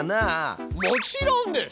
もちろんです！